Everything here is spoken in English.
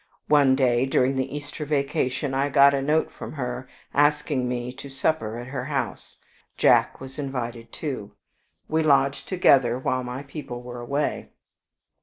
"One day, during the Easter vacation, I got a note from her asking me to supper at her house. Jack was invited too: we lodged together while my people were away.